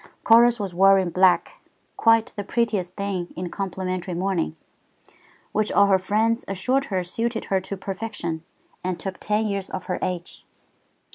Chorus was wearing black, quite the prettiest thing in complimentary mourning, which all her friends assured her suited her to perfection and took ten years off her age.